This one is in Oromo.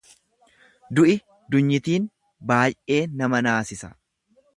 Du'i dunyitiin baay'ee nama naasisa.